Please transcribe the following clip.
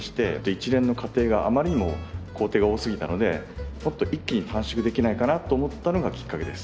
一連の過程があまりにも工程が多すぎたのでもっと一気に短縮できないかなと思ったのがきっかけです。